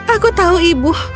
aku tahu ibu